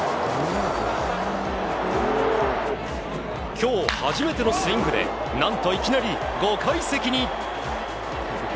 今日初めてのスイングで何といきなり５階席に。